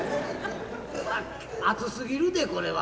熱すぎるでこれは。